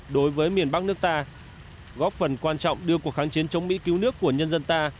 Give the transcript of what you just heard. đối với miền bắc nước ta góp phần quan trọng đưa cuộc kháng chiến chống mỹ cứu nước của nhân dân ta